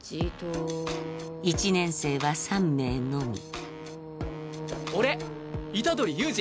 一年生は３名のみ俺虎杖悠仁。